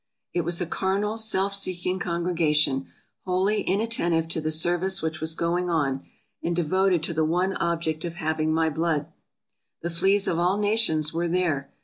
It was a carnal, self seeking congrega tion, wholly inattentive to the service which was going on, and devoted to the one object of having my blood. The fleas of all nations were there.